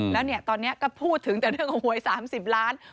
แล้วเนี่ยตอนนี้ก็พูดถึงแต่เรื่องของหวย๓๐ล้าน